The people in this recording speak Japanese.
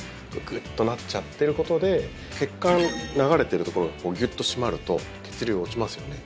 グッとなっちゃってることで血管、流れてるところがギュッと締まると血流が落ちますよね。